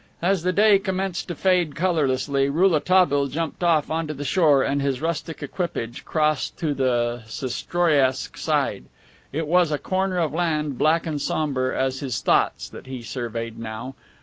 As the day commenced to fade colorlessly, Rouletabille jumped off onto the shore and his rustic equipage crossed to the Sestroriesk side. It was a corner of land black and somber as his thoughts that he surveyed now.